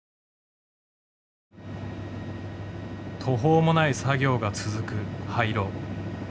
途方もない作業が続く廃炉。